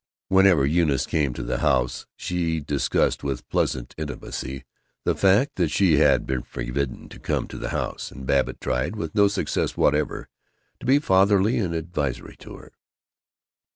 Whenever Eunice came to the house she discussed with pleasant intimacy the fact that she had been forbidden to come to the house; and Babbitt tried, with no success whatever, to be fatherly and advisory with her.